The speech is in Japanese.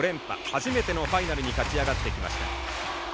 初めてのファイナルに勝ち上がってきました。